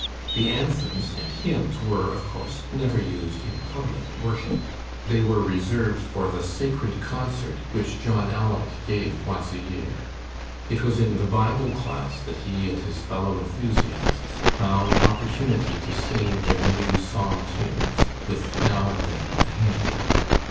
The anthems and hymns were, of course, never used in public worship. They were reserved for the sacred concert which John "Aleck" gave once a year. It was in the Bible class that he and his fellow enthusiasts found opportunity to sing their new Psalm tunes, with now and then a hymn.